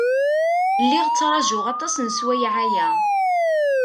Lliɣ ttṛajuɣ aṭas n sswayeɛ-aya.